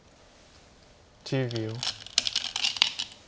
１０秒。